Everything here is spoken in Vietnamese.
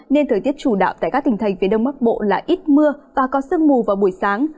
nên thời tiết chủ đạo tại các tỉnh thành phía đông bắc bộ là ít mưa và có sương mù vào buổi sáng